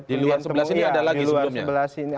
di luar sebelah sini ada lagi sebelumnya